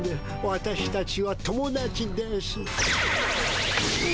私たちは友だちです。